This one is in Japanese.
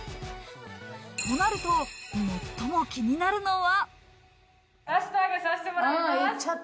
となると、最も気になるのは。